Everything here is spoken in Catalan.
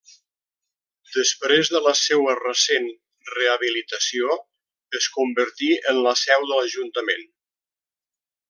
Després de la seua recent rehabilitació, es convertí en la seu de l'Ajuntament.